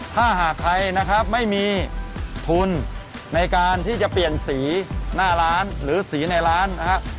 ถ้าหากใครนะครับไม่มีทุนในการที่จะเปลี่ยนสีหน้าร้านหรือสีในร้านนะฮะ